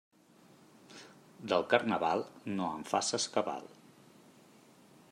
Del Carnaval, no en faces cabal.